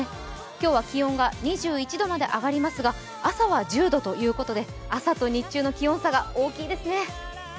今日は気温が２１度まで上がりますが、朝は１０度ということで朝と日中の気温差が大きいですね。